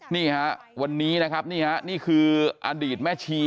นี่ค่ะวันนี้นะครับนี่คืออดีตแม่ชี